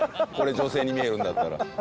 これ女性に見えるんだったら。